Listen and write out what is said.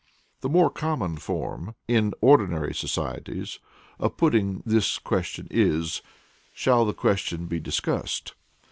The more common form, in ordinary societies, of putting this question, is, "Shall the question be discussed?"